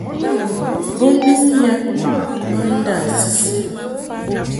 Bo nɨŋ yam ma ndâ-sisi.